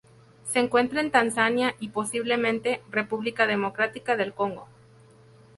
Se encuentra en Tanzania y, posiblemente, República Democrática del Congo.